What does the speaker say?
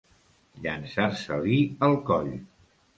Llançar-se-li al coll.